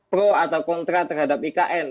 pro atau kontra terhadap ikn